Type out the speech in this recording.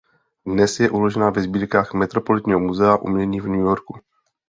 Dnes je uložena ve sbírkách Metropolitního muzea umění v New Yorku.